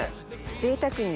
ぜいたくに。